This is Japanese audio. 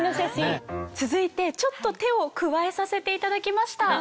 続いてちょっと手を加えさせていただきました。